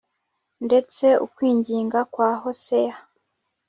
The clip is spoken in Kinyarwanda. ndetse ukwinginga kwa Hoseya